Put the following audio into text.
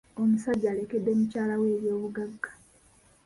Omsajja alekedde mukyala we ebyobugagga.